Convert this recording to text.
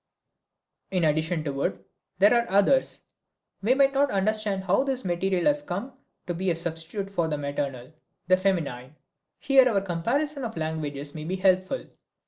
In addition to wood there are others. We might not understand how this material has come to be a substitute for the maternal, the feminine. Here our comparison of languages may be helpful.